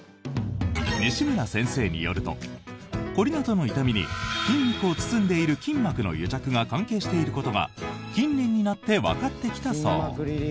西村先生によると凝りなどの痛みに筋肉を包んでいる筋膜の癒着が関係していることが近年になってわかってきたそう。